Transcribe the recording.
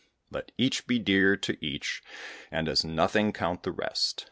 Let each be dear to each, and as nothing count the rest.